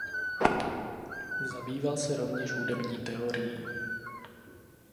Zabýval se rovněž hudební teorií.